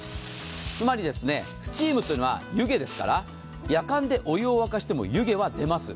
つまりスチームというのは湯気ですからやかんでお湯を沸かしても湯気は出ます。